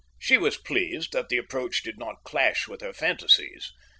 She was pleased that the approach did not clash with her fantasies.